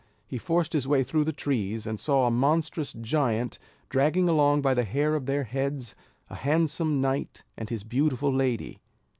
He forced his way through the trees, and saw a monstrous giant dragging along by the hair of their heads a handsome knight and his beautiful lady.